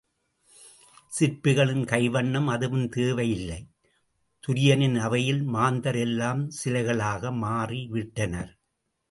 சிற்பிகளின் கைவண்ணம் அதுவும் தேவை இல்லை, துரியனின் அவையில் மாந்தர் எல்லாம் சிலைகளாக மாறி விட்டனர்.